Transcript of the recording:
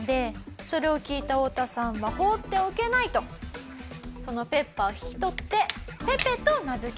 それを聞いたオオタさんは放っておけないとそのペッパーを引き取って「ぺぺ」と名付けました。